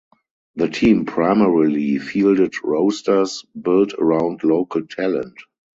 The team primarily fielded rosters built around local talent.